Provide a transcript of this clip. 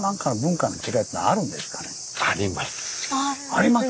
ありますか。